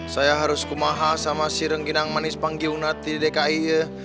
saya harus kumaha sama si rengginang manis panggiung nanti di dki ya